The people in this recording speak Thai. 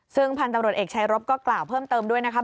ซึ่งพันธุ์ตำรวจเอกชายรบก็กล่าวเพิ่มเติมด้วยนะครับ